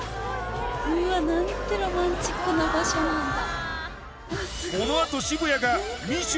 うわ何てロマンチックな場所なんだ。